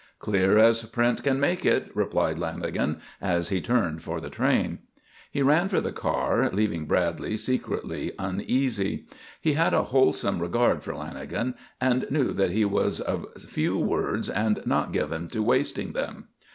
"Clear as print can make it," replied Lanagan as he turned for the train. He ran for the car, leaving Bradley secretly uneasy. He had a wholesome regard for Lanagan and knew that he was of few words and not given to wasting them.